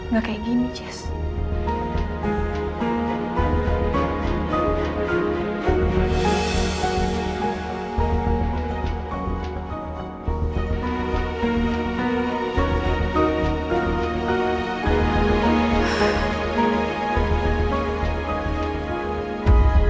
gak kayak gini jess